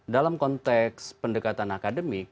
dalam konteks pendekatan akademik